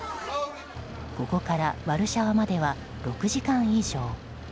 ここからワルシャワまでは６時間以上。